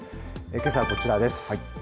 けさはこちらです。